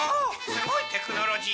すごいテクノロジー。